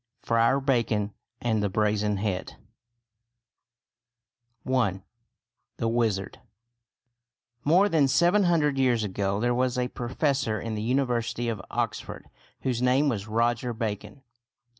FRIAR BACON AND THE BRAZEN HEAD I. THE WIZARD More than seven hundred years ago there was a professor in the University of Oxford whose name was Roger Bacon.